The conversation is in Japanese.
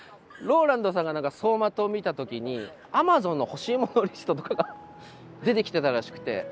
ＲＯＬＡＮＤさんが何か走馬灯を見た時にＡｍａｚｏｎの「ほしい物リスト」とかが出てきてたらしくて。